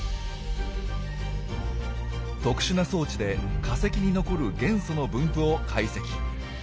特殊な装置で化石に残る元素の分布を解析。